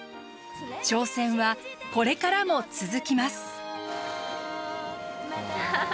挑戦はこれからも続きます。